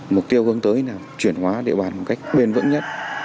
mục tiêu hướng tới là chuyển hóa địa bàn một cách bền vững nhất